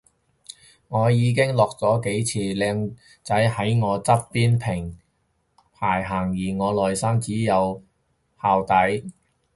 我已經落咗幾次，靚仔喺我側邊平排行而我內心只有淆底